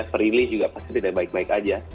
freelly juga pasti tidak baik baik aja